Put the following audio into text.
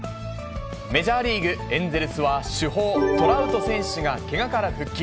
メジャーリーグ・エンゼルスは主砲、トラウト選手がけがから復帰。